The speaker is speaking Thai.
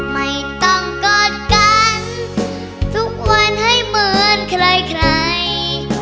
ไม่ต้องกอดกันทุกวันให้เหมือนใครใคร